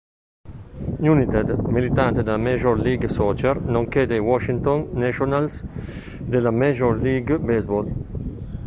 United, militante nella Major League Soccer nonché dei Washington Nationals, della Major League Baseball.